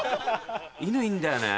犬いんだよね。